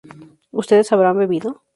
¿ustedes habrán bebido?